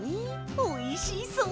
おいしそう。